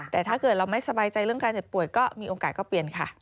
แต่ถ้าเกิดเราไม่สบายใจเรื่องการเจ็บป่วยก็มีโอกาสก็เปลี่ยนค่ะ